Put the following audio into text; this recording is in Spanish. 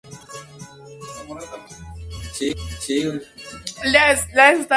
Con su partida al rugby League se ausentó de la selección nueve años.